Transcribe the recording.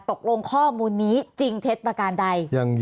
ตกลงข้อมูลนี้จริงเท็จประการใด